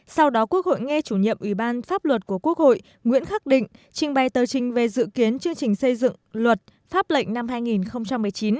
sau đó quốc hội nghe chủ nhiệm ủy ban pháp luật của quốc hội nguyễn khắc định trình bày tờ trình về dự kiến chương trình xây dựng luật pháp lệnh năm hai nghìn một mươi chín